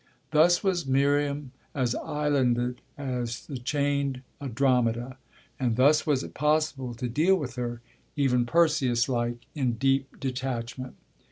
Thus was Miriam as islanded as the chained Andromeda, and thus was it possible to deal with her, even Perseus like, in deep detachment.